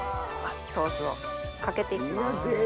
ソースをかけていきます。